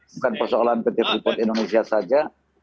bukan persoalan pt freeport indonesia saja